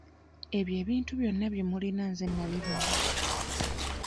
Ebyo ebintu byonna bye mulina nze nabibawa.